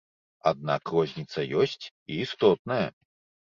Аднак розніца ёсць, і істотная.